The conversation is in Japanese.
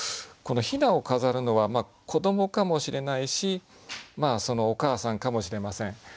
この「雛を飾る」のは子どもかもしれないしお母さんかもしれません。